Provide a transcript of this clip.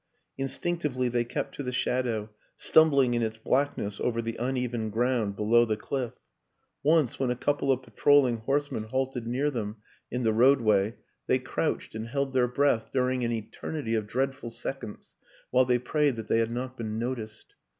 Instinctively they kept to the shadow, stumbling in its blackness over the uneven ground below the cliff. Once, when a couple of patrolling horsemen halted near them WILLIAM AN ENGLISHMAN 147 in the roadway, they crouched and held their breath during an eternity of dreadful seconds while they prayed that they had not been noticed.